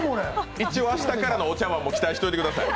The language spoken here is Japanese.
一応、明日からのお茶わんも期待しておいてください。